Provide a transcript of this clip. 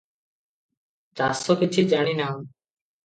ଚାଷ କିଛି ଜାଣି ନାହୁଁ ।